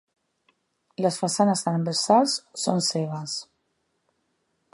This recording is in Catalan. Les façanes transversals són cegues.